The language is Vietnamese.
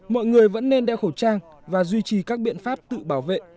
mọi người vẫn nên đeo khẩu trang và duy trì các biện pháp tự bảo vệ